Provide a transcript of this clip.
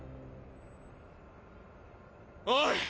おい！